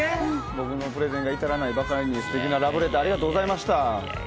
僕のプレゼンが至らないばかりに素敵なラブレターありがとうございました。